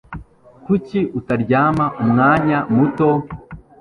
Kuki utaryama umwanya muto?